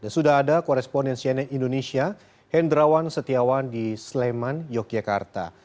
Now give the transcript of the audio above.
sudah ada koresponen cnn indonesia hendrawan setiawan di sleman yogyakarta